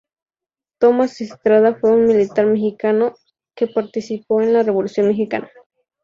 Tomás Estrada fue un militar mexicano que participó en la Revolución mexicana.